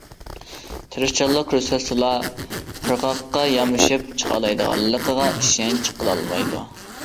تىرىشچانلىق كۆرسەتسىلا قىرغاققا يامىشىپ چىقالايدىغانلىقىغا ئىشەنچ قىلالمايدۇ.